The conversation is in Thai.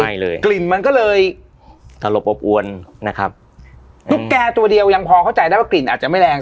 ใช่เลยกลิ่นมันก็เลยสลบอบอวนนะครับตุ๊กแกตัวเดียวยังพอเข้าใจได้ว่ากลิ่นอาจจะไม่แรง